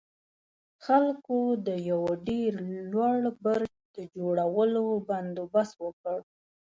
خلکو د يوه ډېر لوړ برج د جوړولو بندوبست وکړ.